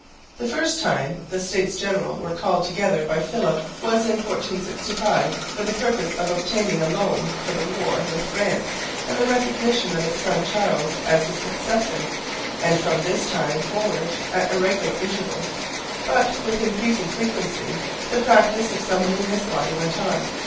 The first time the States General were called together by Philip was in 1465 for the purpose of obtaining a loan for the war with France and the recognition of his son Charles as his successor; and from this time forward at irregular intervals, but with increasing frequency, the practice of summoning this body went on.